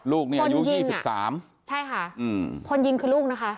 ลูกเนี่ยอายุ๒๓คือลูกนะคะใช่ค่ะคนยิงคือลูกนะคะ